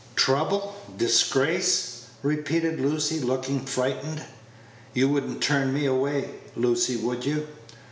"Trouble! disgrace!" repeated Lucy, looking frightened. "You would n't turn me away, Lucy, would you?